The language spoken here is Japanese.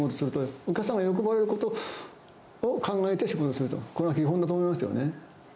お客様が喜ばれることを考えて仕事をすると、これが基本だと思いますよね。